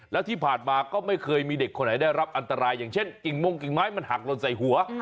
แล้วที่ผ่านมาก็ไม่เคยมีเด็กคนไหนได้รับอันตรายอย่างเช่นกิ่งมงกิ่งไม้มันหักลนใส่หัว